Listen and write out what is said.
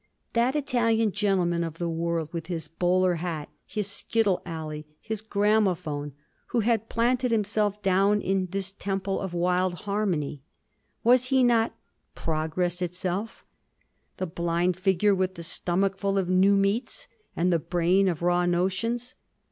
That Italian gentleman of the world, with his bowler hat, his skittle alley, his gramophone, who had planted himself down in this temple of wild harmony, was he not Progress itself—the blind figure with the stomach full of new meats and the brain of raw notions?